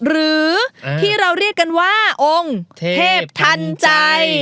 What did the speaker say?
หรือที่เราเรียกกันว่าองค์เทพทันใจ